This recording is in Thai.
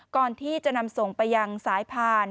ก่อนที่จะนำส่งไปยังสายพาน